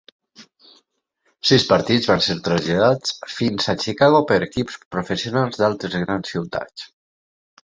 Sis partits van ser traslladats fins a Chicago per equips professionals d'altres grans ciutats.